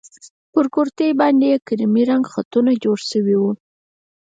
پر کورتۍ باندې يې کيريمي رنګه خطونه جوړ شوي وو.